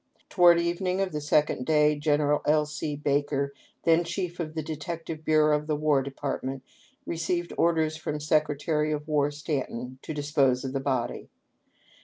Toward evening of the second day Gen. L. C. Baker, then chief of the ' Detective Bureau of the War Department,' received orders from Secretary of War Stanton to dispose of the body.